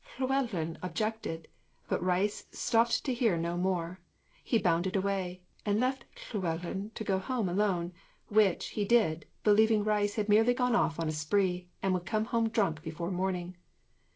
Llewellyn objected, but Rhys stopped to hear no more; he bounded away and left Llewellyn to go home alone, which he did, believing Rhys had merely gone off on a spree, and would come home drunk before morning.